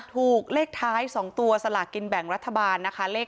ถูกเลขท้าย๒ตัวสลากกินแบ่งรัฐบาลนะคะ